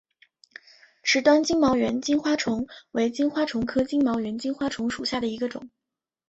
池端金毛猿金花虫为金花虫科金毛猿金花虫属下的一个种。